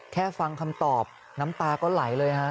แค่ฟังคำตอบน้ำตาก็ไหลเลยฮะ